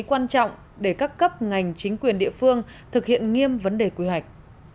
quan trọng để các cấp ngành chính quyền địa phương thực hiện nghiêm vấn đề quy hoạch